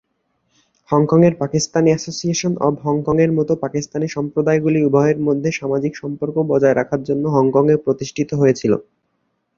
হংকংয়ের Pakistan association of হংকং-এর মতো পাকিস্তানি সম্প্রদায়গুলি উভয়ের মধ্যে সামাজিক সম্পর্ক বজায় রাখার জন্য হংকংয়ে প্রতিষ্ঠিত হয়েছিল।